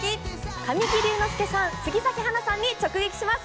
神木隆之介さん、杉咲花さんに直撃します。